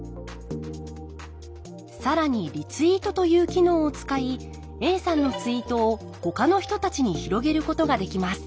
更にリツイートという機能を使いＡさんのツイートをほかの人たちに広げることができます